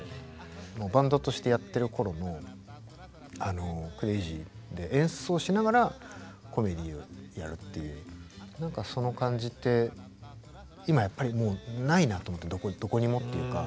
バンドとしてやってる頃のクレイジーで演奏しながらコメディーをやるっていう何かその感じって今はやっぱりもうないなと思ってどこにもっていうか。